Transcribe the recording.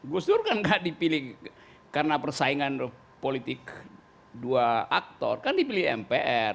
gus dur kan gak dipilih karena persaingan politik dua aktor kan dipilih mpr